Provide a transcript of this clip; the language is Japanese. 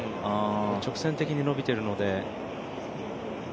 直線的に伸びているので。